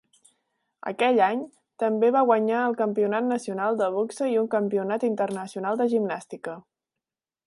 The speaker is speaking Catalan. Aquell any, també va guanyar el campionat nacional de boxa i un campionat internacional de gimnàstica.